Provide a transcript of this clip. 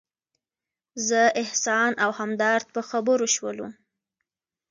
زه، احسان او همدرد په خبرو شولو.